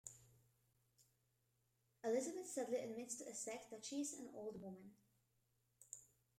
Elizabeth sadly admits to Essex that she is an old woman.